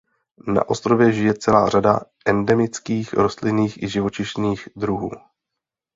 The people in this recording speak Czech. Na ostrově žije celá řada endemických rostlinných i živočišných druhů.